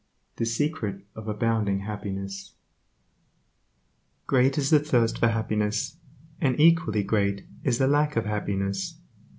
The secret of abounding happiness Great is the thirst for happiness, and equally great is the lack of happiness.